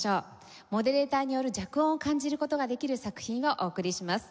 モデレーターによる弱音を感じる事ができる作品をお送りします。